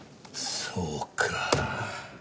そうか。